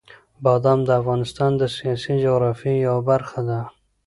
بادام د افغانستان د سیاسي جغرافیې یوه برخه ده.